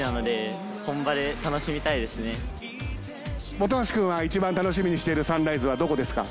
本橋君は一番楽しみにしているサンライズはどこですか？